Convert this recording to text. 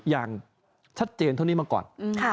อย่างชัดเจนเท่านี้มาก่อน